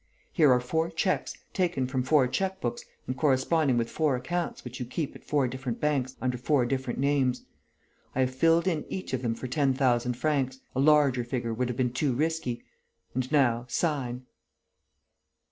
Here are four cheques, taken from four cheque books and corresponding with four accounts which you keep at four different banks under four different names. I have filled in each of them for ten thousand francs. A larger figure would have been too risky. And, now, sign."